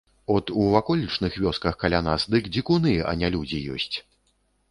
От у ваколічных вёсках каля нас дык дзікуны, а не людзі ёсць.